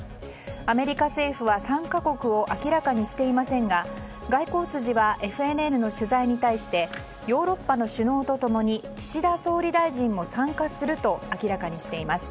アメリカ政府は参加国を明らかにしていませんが外交筋はＦＮＮの取材に対してヨーロッパの首脳と共に岸田総理大臣も参加すると明らかにしています。